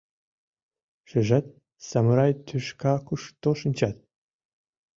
— Шижат, самурай тӱшка кушто шинчат?